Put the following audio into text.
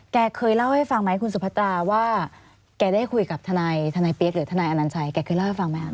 แกเคยเล่าให้ฟังไหมคุณสุพัตราว่าแกได้คุยกับทนายทนายเปี๊ยกหรือทนายอนัญชัยแกเคยเล่าให้ฟังไหมครับ